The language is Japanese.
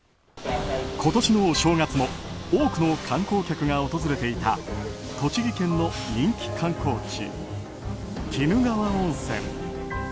今年のお正月も多くの観光客が訪れていた栃木県の人気観光地鬼怒川温泉。